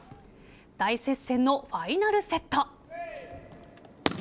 大接戦のファイナルセット。